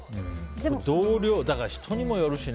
人にもよるしね。